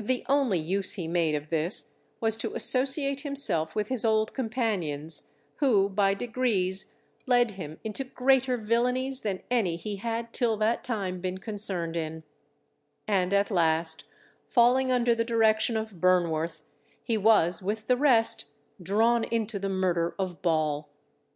The only use he made of this was to associate himself with his old companions, who by degrees led him into greater villainies than any he had till that time been concerned in; and at last falling under the direction of Burnworth, he was with the rest drawn into the murder of Ball.